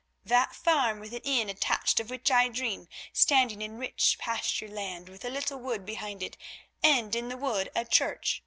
"That farm with an inn attached of which I dream, standing in rich pasture land with a little wood behind it, and in the wood a church.